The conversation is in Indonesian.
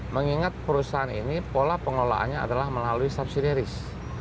mengingat perusahaan ini pola pengelolaannya adalah melalui subsidiaries